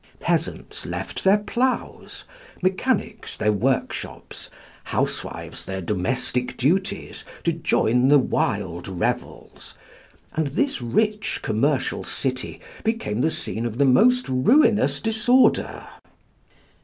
Peasants left their ploughs, mechanics their workshops, housewives their domestic duties, to join the wild revels, and this rich commercial city became the scene of the most ruinous disorder.